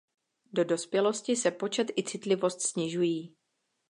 Do dospělosti se počet i citlivost snižují.